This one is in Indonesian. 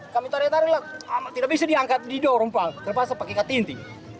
kami tarik tarik lah tidak bisa diangkat didorong terlepas pakai kating ting